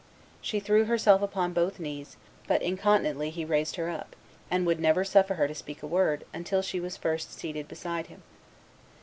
She threw herself upon both knees; but incontinently he raised her up, and would never suffer her to speak a word, until she was first seated beside him.